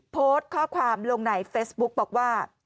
โพสต์ข้อความลงในเฟซบุ๊กบอกว่า